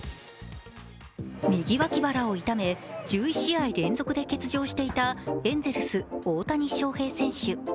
右脇腹を痛め１１試合連続で欠場していたエンゼルス・大谷翔平選手。